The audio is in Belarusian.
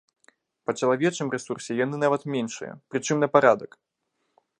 Па чалавечым рэсурсе яны нават меншыя, прычым на парадак!